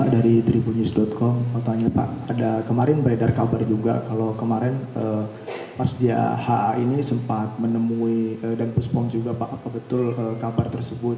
demikian terima kasih